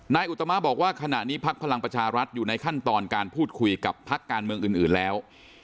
อุตมะบอกว่าขณะนี้พักพลังประชารัฐอยู่ในขั้นตอนการพูดคุยกับพักการเมืองอื่นแล้ว